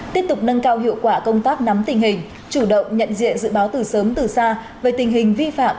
tiếp tục nâng cao hiệu quả công tác nắm tình hình chủ động nhận diện dự báo từ sớm từ xa về tình hình vi phạm